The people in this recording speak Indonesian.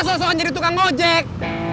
sosok aja ditukang ojek